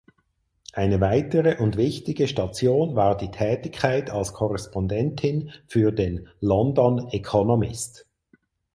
Eine weitere und wichtige Station war die Tätigkeit als Korrespondentin für den "London Economist".